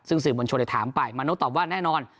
ซึ่งสื่อบนโชว์ได้ถามไปมาโน่ตอบว่าแน่นอน